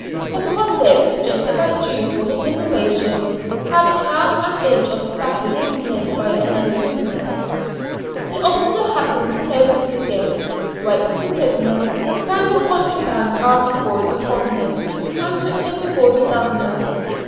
A convict just about due for his liberation had half an inch of tobacco given him by another prisoner. The officer happened to notice the gift, went to the prisoner, found the contraband article upon him, and took him before the governor.